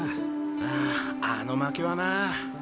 あああの負けはなァ。